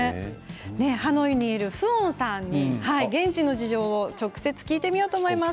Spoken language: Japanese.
ハノイにいるフオンさんに現地の事情を直接、聞いてみようと思います。